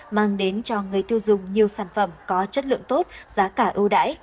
mang đến cho người tiêu dùng nhiều sản phẩm có chất lượng tốt giá cả ưu đãi